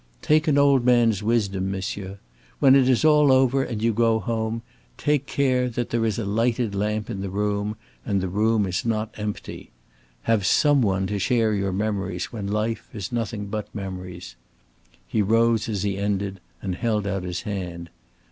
Take an old man's wisdom, monsieur! When it is all over and you go home, take care that there is a lighted lamp in the room and the room not empty. Have some one to share your memories when life is nothing but memories." He rose as he ended, and held out his hand.